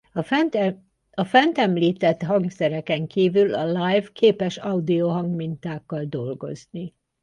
A fent említett hangszereken kívül a Live képes audio hangmintákkal dolgozni.